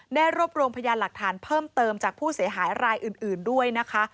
รวบรวมพยานหลักฐานเพิ่มเติมจากผู้เสียหายรายอื่นด้วยนะคะ